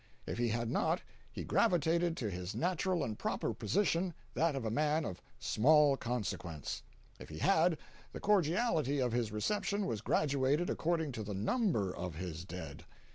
If he had not, he gravitated to his natural and proper position, that of a man of small consequence; if he had, the cordiality of his reception was graduated according to the number of his dead.